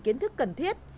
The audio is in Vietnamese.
kiến thức cần thiết